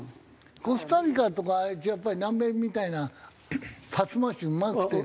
コスタリカとかやっぱり南米みたいなパス回しうまくて。